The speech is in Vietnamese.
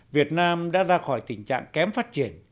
việt nam đã ra khỏi tình trạng kém phát triển